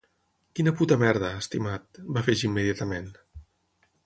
“Quina puta merda, estimat”, va afegir immediatament.